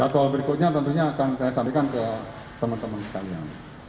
jadwal berikutnya tentunya akan saya sampaikan ke teman teman sekalian